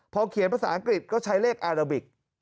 พอเขียนภาษาอังกฤษก็ใช้เลขอาราบิก